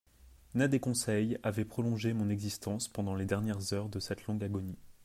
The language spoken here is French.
Ned et Conseil avaient prolongé mon existence pendant les dernières heures de cette longue agonie.